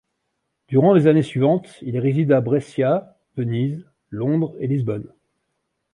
Durant les années suivantes, il réside à Brescia, Venise, Londres et Lisbonne.